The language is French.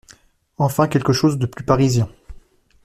Enfin quelque chose de plus parisien…